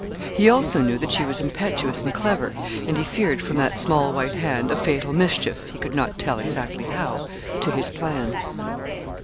He also knew that she was impetuous and clever, and he feared from that small white hand a fatal mischief he could not tell exactly how to his plans.